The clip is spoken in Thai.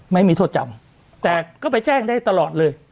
ไม่มีโทษจำแต่ก็ไปแจ้งได้ตลอดเลย